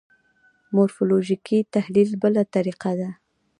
مورفولوژیکي تحلیل بله طریقه ده.